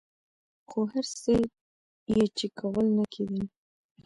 خو هر څه یې چې کول نه کېدل.